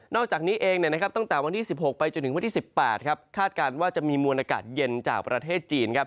อกจากนี้เองตั้งแต่วันที่๑๖ไปจนถึงวันที่๑๘คาดการณ์ว่าจะมีมวลอากาศเย็นจากประเทศจีนครับ